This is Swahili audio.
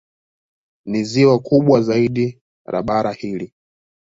Ni ziwa kubwa zaidi la bara hili.